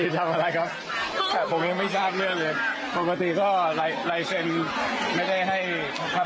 ขอไลเซ็นคุณพิทาคุณพิทาจะให้ไหมคะ